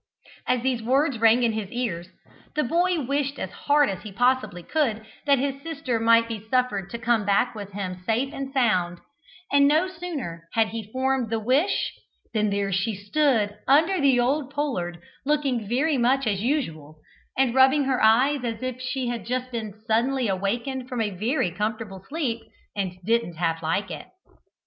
As these words rang in his ears, the boy wished as hard as he possibly could that his sister might be suffered to come back with him safe and sound, and no sooner had he formed the wish than there she stood under the old pollard, looking very much as usual, and rubbing her eyes as if she had just been suddenly awakened from a very comfortable sleep, and didn't half like it.